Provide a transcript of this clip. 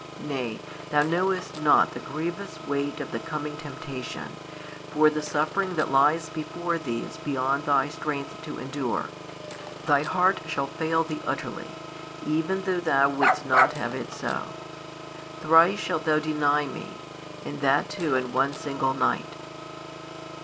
Nay, thou knowest not the grievous weight of the coming temptation, for the suffering that lies before thee is beyond thy strength to endure: thy heart shall fail thee utterly, even though thou wouldst not have it so: thrice shalt thou deny Me, and that too in one single night."